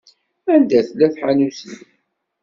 Anda tella tḥanut-nni?